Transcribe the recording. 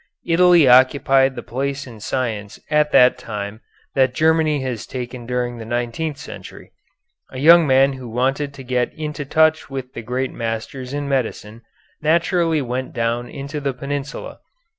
Italy occupied the place in science at that time that Germany has taken during the nineteenth century. A young man who wanted to get into touch with the great masters in medicine naturally went down into the Peninsula.